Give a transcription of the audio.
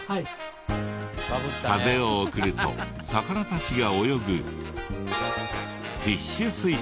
風を送ると魚たちが泳ぐ。